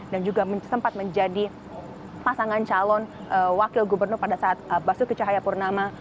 dan juga sempat menjadi pasangan calon wakil gubernur pada saat basur kicayapurnama